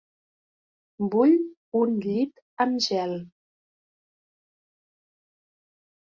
Vull un llit amb gel.